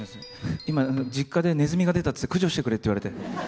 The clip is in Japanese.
今、実家でネズミが出たっていって、駆除してくれって言われて。